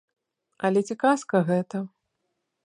Але ці казка гэта?